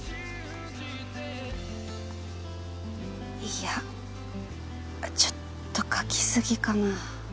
いやちょっと書き過ぎかな？